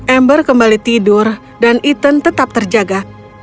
amber kembali tidur dan ethan tetap terjaga